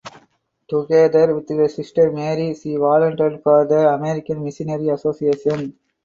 Together with her sister Mary she volunteered for the American Missionary Association.